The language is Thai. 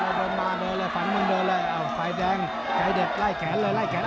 เดินมาเดินเลยฝันมึงเดินเลยไฟแดงไกเด็ดไล่แขนเลยไล่แขน